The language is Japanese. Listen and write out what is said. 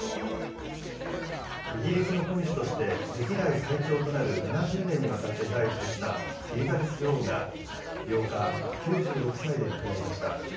イギリスの君主として歴代最長となる７０年にわたって在位してきたエリザベス女王が８日、９６歳で亡くなりました。